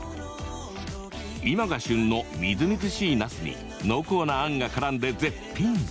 今が旬の、みずみずしいなすに濃厚なあんがからんで絶品。